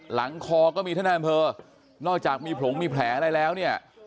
หลังคอก็มีท่านนายอำเภอนอกจากมีผงมีแผลอะไรแล้วเนี่ย